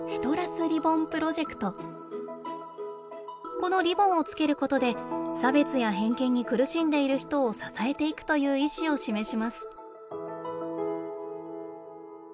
このリボンをつけることで差別や偏見に苦しんでいる人を支えていくという意思を示します。